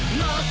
あ。